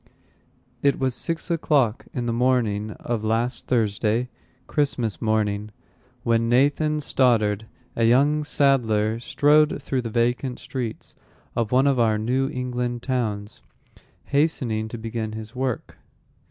It was six o'clock in the morning of last Thursday (Christmas morning), when Nathan Stoddard, a young saddler, strode through the vacant streets of one of our New England towns, hastening to begin his work.